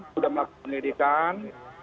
sudah melakukan pendidikan